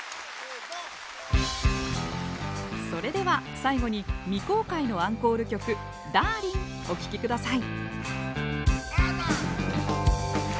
それでは最後に未公開のアンコール曲「ダーリン」お聴き下さい。